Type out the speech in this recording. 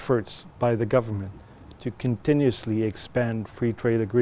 để tiếp tục phát triển tình huống truyền thống nước asean